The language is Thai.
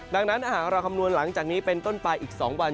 ดังนั้นหากเราคำนวณหลังจากนี้เป็นต้นปลายอีก๒วัน